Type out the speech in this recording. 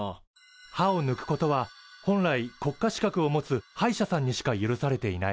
歯をぬくことは本来国家資格を持つ歯医者さんにしか許されていない。